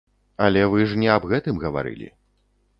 Але вы ж не аб гэтым гаварылі.